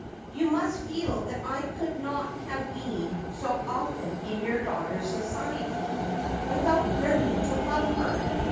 You must feel that I could not have been so often in your daughter's society without learning to love her.